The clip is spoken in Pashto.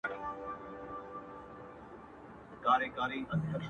• دغه خوار ملنگ څو ځايه تندی داغ کړ.